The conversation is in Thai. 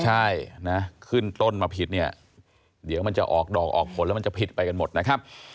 ใช่นะขึ้นต้นมาผิดเนี่ยเดี๋ยวมันจะออกดอกออกผลแล้วมันจะผิดไปกันหมดนะครับ